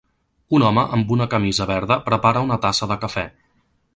Un home amb una camisa verda prepara una tassa de cafè.